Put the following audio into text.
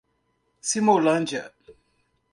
Simolândia